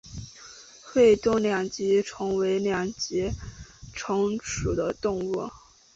会东两极虫为两极科两极虫属的动物。